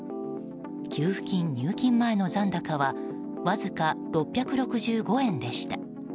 給付金入金前の残高はわずか６６５円でした。